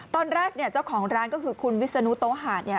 ตอนแรกเจ้าของร้านก็คือคุณวิศนุโตหาด